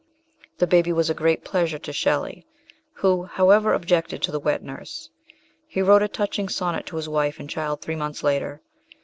The baby was a great pleasure to Shelley, who, however, objected to the wet nurse. He wrote a touching sonnet to his wife and child three months later.